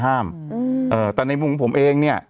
ห้ามในมุมของผมเองเนี่ย